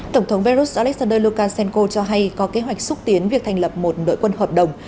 tổng thống belarus alexander lukashenko cho hay có kế hoạch xúc tiến việc thành lập một đội quân hợp đồng